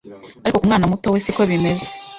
Ariko ku mwana muto we siko bimeze